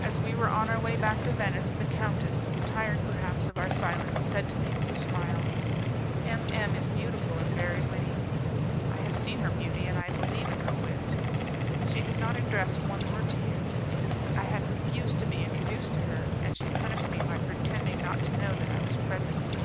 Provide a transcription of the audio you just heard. As we were on our way back to Venice, the countess, tired perhaps of our silence, said to me, with a smile, "M M is beautiful and very witty." "I have seen her beauty, and I believe in her wit." "She did not address one word to you." "I had refused to be introduced to her, and she punished me by pretending not to know that I was present."